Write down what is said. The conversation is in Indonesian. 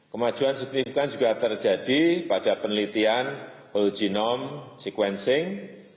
kemajuan signifikan juga terjadi pada penelitian whole genome sequencing